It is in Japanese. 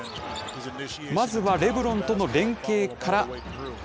まずはレブロンとの連携から。